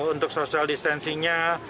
untuk social distancing nya